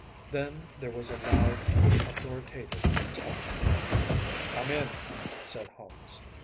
Then there was a loud and authoritative tap. “Come in!‚ÄĚ said Holmes.